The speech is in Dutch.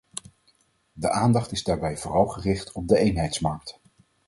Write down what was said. De aandacht is daarbij vooral gericht op de eenheidsmarkt.